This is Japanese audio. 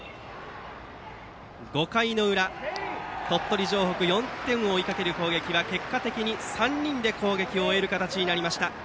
５回裏、鳥取城北が４点を追いかける攻撃は結果的に３人で攻撃を終える形になりました。